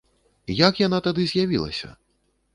Як яна тады з'явілася?